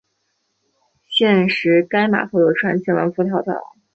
现时该码头有船前往蒲台岛。